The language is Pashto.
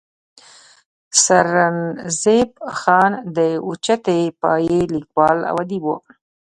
سرنزېب خان د اوچتې پائې ليکوال او اديب وو